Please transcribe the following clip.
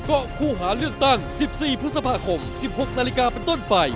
ก็คู่หาเลือกตั้ง๑๔พฤษภาคม๑๖นาฬิกาเป็นต้นไป